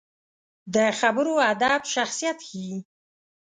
د خبرو ادب شخصیت ښيي